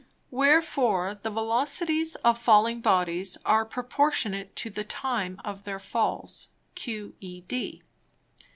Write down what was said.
Wherefore the Velocities of falling Bodies, are proportionate to the Time of their Falls, _Q. E. D.